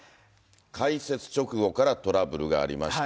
開設直後からトラブルがありました。